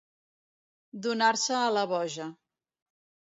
Donar-se a la boja.